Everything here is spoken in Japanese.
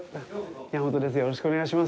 宮本です。